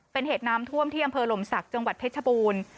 เป็นเหตุน้ำท่วมที่อำเภอหลมศักดิ์จังหวัดเพชรบูรณ์